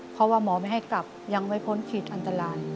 เพราะว่าหมอไม่ให้กลับยังไม่พ้นขีดอันตราย